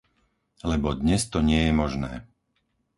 Lebo dnes to nie je možné.